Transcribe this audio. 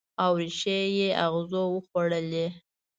او ریښې یې اغزو وخوړلي